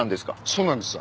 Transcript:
そうなんです。